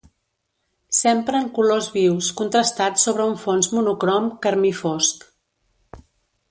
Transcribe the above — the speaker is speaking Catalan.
S'empren colors vius contrastats sobre un fons monocrom carmí fosc.